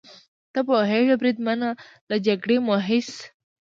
ته پوهېږې بریدمنه، له جګړې مو هېڅ.